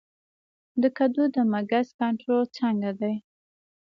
د کدو د مګس کنټرول څنګه دی؟